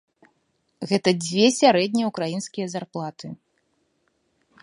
Гэта дзве сярэднія ўкраінскія зарплаты.